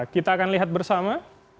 kita akan lihat bersama